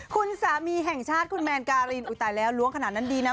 คุณสามีแห่งชาติคุณแมนการินอุตายแล้วล้วงขนาดนั้นดีนะ